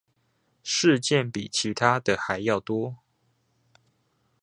事件比其他的還要多